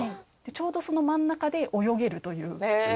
ちょうどその真ん中で泳げるという。